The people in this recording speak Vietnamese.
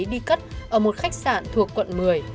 đi cất ở một khách sạn thuộc quận một mươi